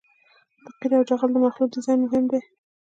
د قیر او جغل د مخلوط ډیزاین مهم دی